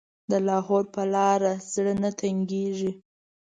د لاهور په لاره زړه نه تنګېږي.